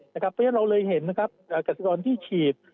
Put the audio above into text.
เพราะฉะนั้นเราเลยเห็นเกษตรกรที่ฉีด